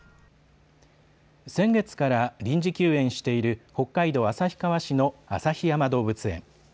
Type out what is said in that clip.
先月から臨時休園している北海道旭川市の旭山動物園。